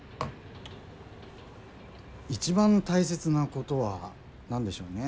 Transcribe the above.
一番大切なことは何でしょうね？